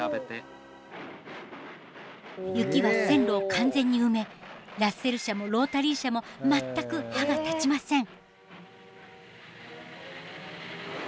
雪は線路を完全に埋めラッセル車もロータリー車も全く歯が立ちません。